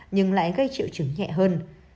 nhưng lại gây triệu chứng nhẹ hơn